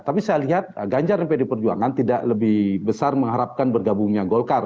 tapi saya lihat ganjar dan pd perjuangan tidak lebih besar mengharapkan bergabungnya golkar